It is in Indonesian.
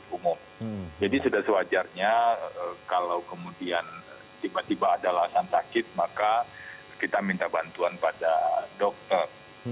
umum jadi sudah sewajarnya kalau kemudian tiba tiba ada alasan sakit maka kita minta bantuan pada dokter